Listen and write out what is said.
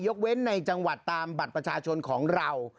ยกเว้นในจังหวัดตามบัตรประชาชนของเรา